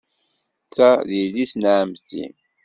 Ta d yelli-s n ɛemmti.